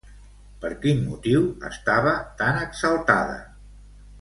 Per quin motiu estava tan exaltada?